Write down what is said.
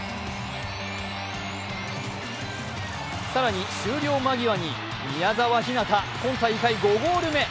更に終了間際に宮澤ひなた今大会５ゴール目。